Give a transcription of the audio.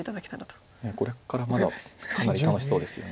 いやこれからまだかなり楽しそうですよね。